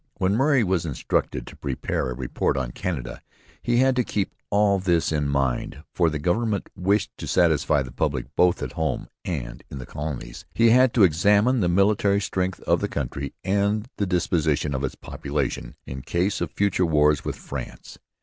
When Murray was instructed to prepare a report on Canada he had to keep all this in mind; for the government wished to satisfy the public both at home and in the colonies. He had to examine the military strength of the country and the disposition of its population in case of future wars with France.